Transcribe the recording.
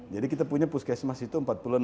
jadi kita punya puskesmas itu empat puluh enam